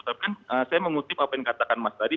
tapi kan saya mengutip apa yang katakan mas tadi